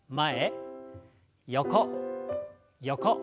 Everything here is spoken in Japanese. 横横。